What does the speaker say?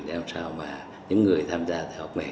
để làm sao mà những người tham gia học nghề